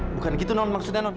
bukan gitu non maksudnya non